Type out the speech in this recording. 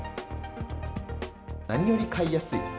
何より買いやすい。